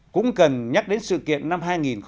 cũng cần nhắc đến sự kiện năm hai nghìn một mươi tám